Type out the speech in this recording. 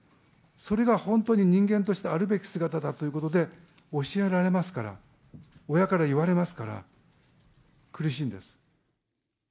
それが本当に人間としてあるべき姿だということで、教えられますから、親から言われますから、苦しいんです。